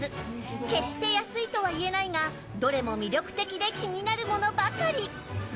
決して安いとはいえないがどれも魅力的で気になるものばかり。